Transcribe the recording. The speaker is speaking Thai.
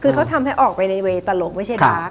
คือเขาทำให้ออกไปในเวย์ตลกไม่ใช่รัก